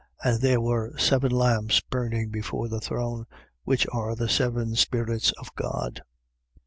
And there were seven lamps burning before the throne, which are the seven Spirits of God.